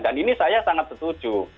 dan ini saya sangat setuju